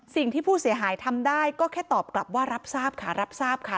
สิ่งที่ผู้เสียหายทำได้ก็แค่ตอบกลับว่ารับทราบค่ะรับทราบค่ะ